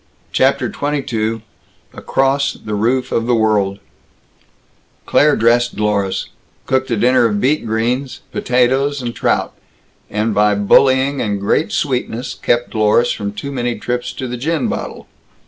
CHAPTER XXII ACROSS THE ROOF OF THE WORLD Claire dressed Dlorus, cooked a dinner of beet greens, potatoes, and trout; and by bullying and great sweetness kept Dlorus from too many trips to the gin bottle.